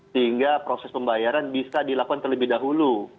sehingga proses pembayaran bisa dilakukan terlebih dahulu